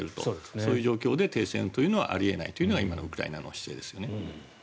そういう状況で停戦はあり得ないというのが今のウクライナの姿勢ですよね。